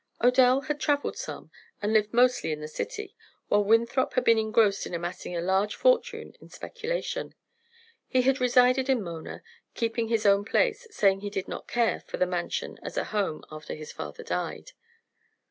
"Odell had travelled some, and lived mostly in the city, while Winthrop had been engrossed in amassing a large fortune in speculation. He had resided in Mona, keeping his own place, saying he did not care for the Mansion as a home after his father died."